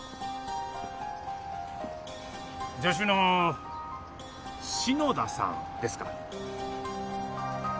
助手の篠田さんですか？